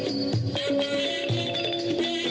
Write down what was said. สวัสดีท่านสาธิชนทุกท่านนะคะ